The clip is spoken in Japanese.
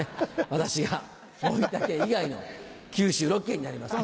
私が大分県以外の九州６県になります。